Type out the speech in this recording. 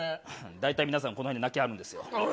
大体皆さん、このように泣きはるんですよ。